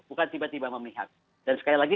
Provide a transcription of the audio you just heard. bukan tiba tiba memihak dan sekali lagi